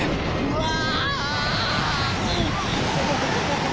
うわ！